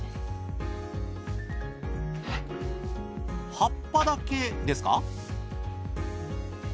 葉っぱだけですか？